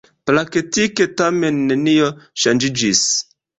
Praktike tamen nenio ŝanĝiĝis.